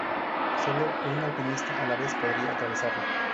Sólo un alpinista a la vez podría atravesarlo.